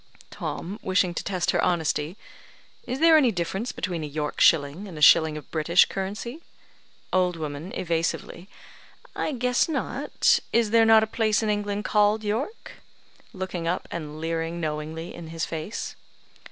Tom (wishing to test her honesty): "Is there any difference between a York shilling and a shilling of British currency?" Old woman (evasively): "I guess not. Is there not a place in England called York?" (Looking up and leering knowingly in his face.)